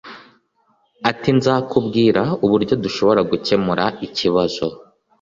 ati nzakubwira uburyo dushobora gukemura ikibazo